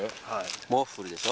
モッフルでしょ。